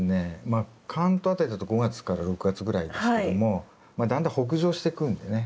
まあ関東辺りだと５月から６月ぐらいですけどもだんだん北上してくんでね